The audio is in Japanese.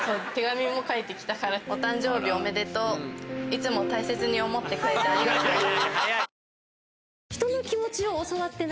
「お誕生日おめでとう‼いつも大切に思ってくれてありがとう」。